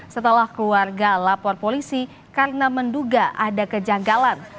setelah keluarga lapor polisi karena menduga ada kejanggalan